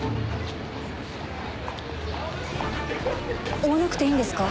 追わなくていいんですか？